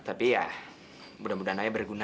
tapi ya mudah mudahan aja berguna